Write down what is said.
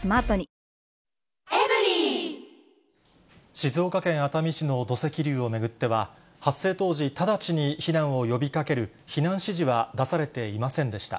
静岡県熱海市の土石流を巡っては、発生当時、直ちに避難を呼びかける、避難指示は出されていませんでした。